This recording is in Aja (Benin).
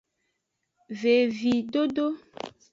Vevidodo.